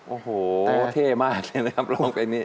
โอ้โหเท่มากที่ป่องและร้องอันนี้